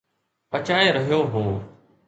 پچائي رهيو هو